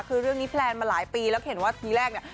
คือเรื่องนี้แพลนมาหลายปีแล้วเห็นว่าทีแรกเนี่ย